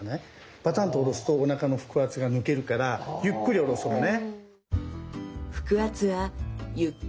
バタンと下ろすとおなかの腹圧が抜けるからゆっくり下ろそうね。